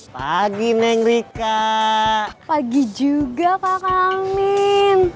pagi juga kak amin